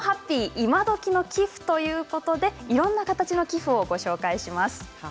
今どきの寄付ということでいろんな形の寄付をご紹介します。